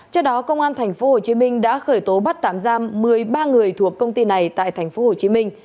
trước đó công an tp hcm đã khởi tố bắt tám giam một mươi ba người thuộc công ty này tại tp hcm